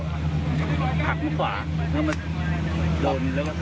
แล้วมันโดนแล้วก็ถึงกระเด็นข้ามไปเรื่องนี้